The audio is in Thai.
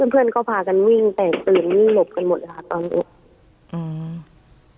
เพื่อนก็พากันวิ่งแต่ปืนวิ่งหลบกันหมดครับตอนนี้